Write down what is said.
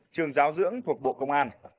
trường giáo dưỡng thuộc bộ công an